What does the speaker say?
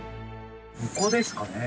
ここですかね。